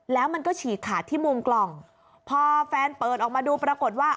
แล้วมันก็ฉีกขาดที่มุมกล่องพอแฟนเปิดออกมาดูปรากฏว่า